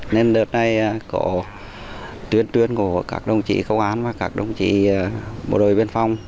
nên đợt này có tuyên truyền của các đồng chí công an và các đồng chí bộ đội biên phòng